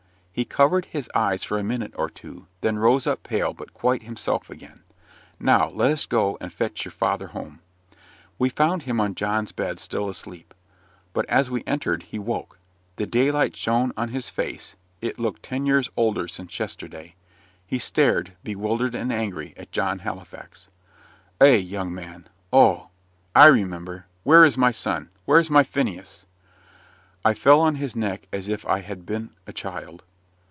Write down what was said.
He covered his eyes for a minute or two, then rose up pale, but quite himself again. "Now let us go and fetch your father home." We found him on John's bed, still asleep. But as we entered he woke. The daylight shone on his face it looked ten years older since yesterday he stared, bewildered and angry, at John Halifax. "Eh, young man oh! I remember. Where is my son where's my Phineas?" I fell on his neck as if I had been a child.